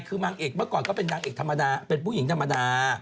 คือนางเอกเมื่อก่อนก็เป็นนางเอกธรรมดาเป็นผู้หญิงธรรมดา